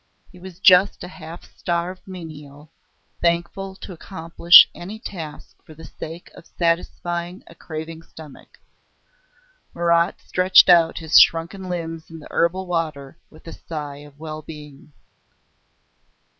He was just a half starved menial, thankful to accomplish any task for the sake of satisfying a craving stomach. Marat stretched out his shrunken limbs in the herbal water with a sigh of well being.